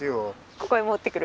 ここへ持ってくる。